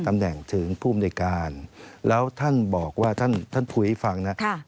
ตำแหน่งถึงผู้บริการแล้วท่านบอกว่าท่านภูยฟังนะครับ